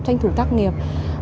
tranh thủ tác nghiệp